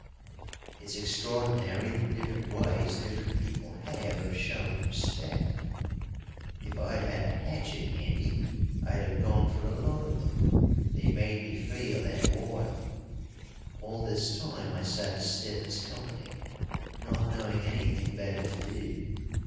It's extraordinary the different ways different people have of showing respect. If I'd had a hatchet handy I'd have gone for the lot of them they made me feel that wild. All this time I sat as stiff as company, not knowing anything better to do.